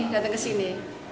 datang ke sini